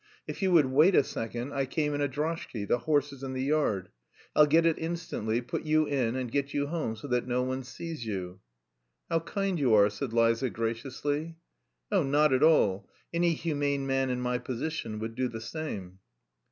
If you would wait a second, I came in a droshky; the horse is in the yard. I'll get it instantly, put you in, and get you home so that no one sees you." "How kind you are," said Liza graciously. "Oh, not at all. Any humane man in my position would do the same...."